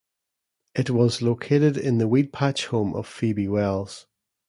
It was located in the Weedpatch home of Phoebe Wells.